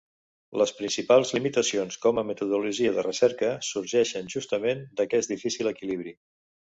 Les principals limitacions com a metodologia de recerca sorgeixen justament d'aquest difícil equilibri.